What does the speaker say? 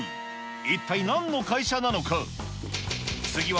一体なんの会社なのか。